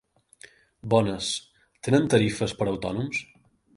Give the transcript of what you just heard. Bones, tenen tarifes per autònoms?